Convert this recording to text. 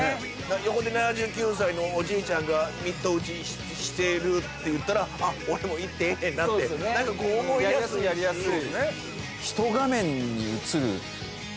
横で７９歳のおじいちゃんがミット打ちしてるっていったらあっ俺も行ってええねんなってなんかこうやりやすいやりやすいそうですね